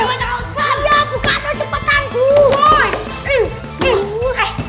udah buka tuh cepetanku